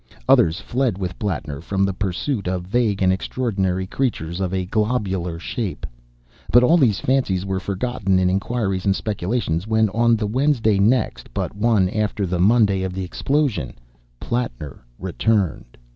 Others fled with Plattner from the pursuit of vague and extraordinary creatures of a globular shape. But all these fancies were forgotten in inquiries and speculations when on the Wednesday next but one after the Monday of the explosion, Plattner returned.